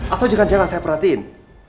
atau jangan jangan saya perhatiin